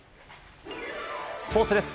スポーツです。